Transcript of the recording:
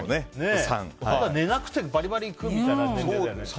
ただ、寝なくてバリバリ食うみたいな年齢だよね。